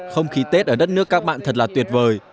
không khí tết ở đất nước các bạn thật là tuyệt vời